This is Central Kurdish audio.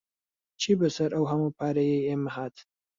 چی بەسەر ئەو هەموو پارەیەی ئێمە هات؟